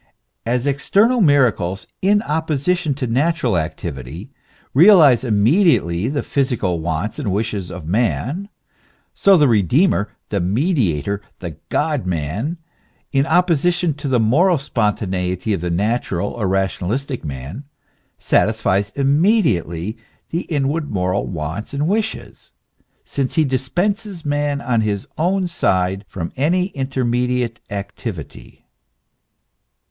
As external miracles, in opposition to natural ac tivity, realize immediately the physical wants and wishes of man ; so the Redeemer, the Mediator, the God man, in opposi tion to the moral spontaneity of the natural or rationalistic man, satisfies immediately the inward moral wants and wishes, since he dispenses man on his own side from any intermediate activity.